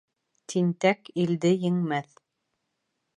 Тинтәк илде еңмәҫ.